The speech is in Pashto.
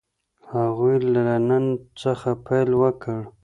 هغوی له نن څخه پيل وکړ.